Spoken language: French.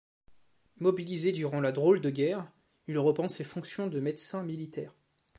Mobilisé pendant la Drôle de guerre, il reprend ses fonctions de médecin militaire.